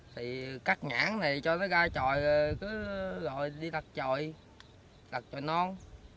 thì cắt nhãn này cho nó ra tròi cứ rồi đi đặt tròi đặt tròi non